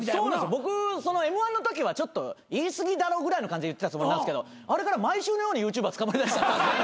僕Ｍ−１のときはちょっと言い過ぎだろぐらいで言ってたつもりなんですけどあれから毎週のようにＹｏｕＴｕｂｅｒ捕まりだした。